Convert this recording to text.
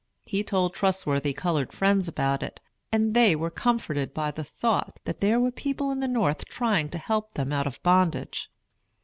He told trustworthy colored friends about it, and they were comforted by the thought that there were people at the North trying to help them out of bondage.